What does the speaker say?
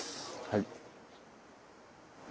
はい。